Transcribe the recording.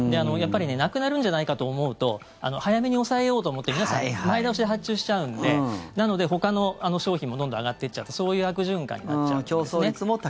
やっぱりなくなるんじゃないかと思うと早めに押さえようと思って皆さん前倒しで発注しちゃうんでなので、ほかの商品もどんどん上がってっちゃってそういう悪循環になっちゃうんですね。